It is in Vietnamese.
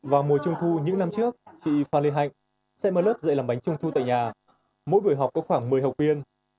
và mùa trung thu những năm trước trị fanoigh anh sẽ má lớp dậy làm bánh trung thu tại nhà mỗi buổi học có khoảng một mươi học viên